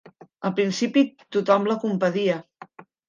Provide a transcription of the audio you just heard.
Al principi tothom la compadia.